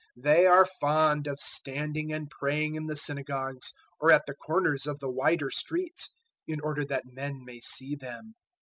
They are fond of standing and praying in the synagogues or at the corners of the wider streets, in order that men may see them.